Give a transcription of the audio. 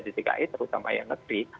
di dki terutama yang negeri